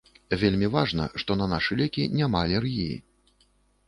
Вельмі важна, што на нашы лекі няма алергіі.